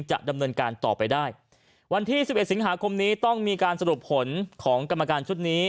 จะดำเนินการต่อไปได้วันที่สิบเอ็ดสิงหาคมนี้ต้องมีการสรุปผลของกรรมการชุดนี้